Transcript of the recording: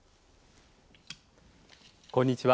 こんにちは。